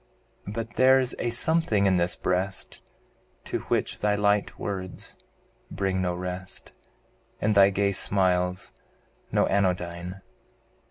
But there's a something in this breast, To which thy light words bring no rest. And thy gay smiles no anodyne.